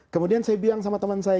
kemudian saya bilang sama teman saya